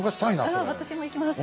うん私も行きます。